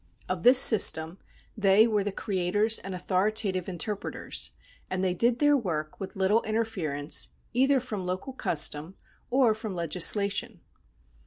Of this system they were the creators and authoritative interpreters, and they did their work with little interference either from local custom or from legislation.